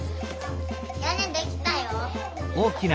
やねできたよ。